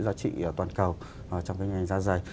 giá trị toàn cầu trong cái ngành da dày